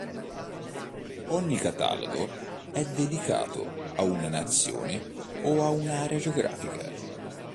Ogni catalogo è dedicato a una nazione o a un'area geografica.